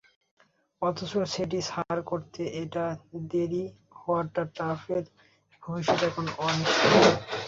অথচ সেটি ছাড় করাতে এতটা দেরি হওয়ায় টার্ফের ভবিষ্যৎই এখন অনিশ্চিত।